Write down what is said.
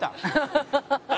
「ハハハハ！」